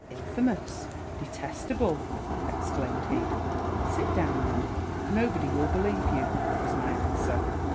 " Infamous ! detestable I " exclaimed he. " Sit down, then : nobody will believe you," was my answer.